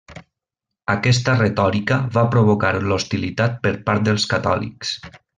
Aquesta retòrica va provocar l'hostilitat per part dels catòlics.